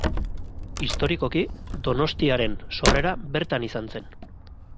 Historikoki Donostiaren sorrera bertan izan zen.